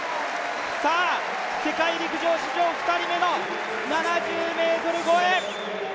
世界陸上史上２人目の７０ｍ越え。